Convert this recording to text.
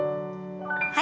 はい。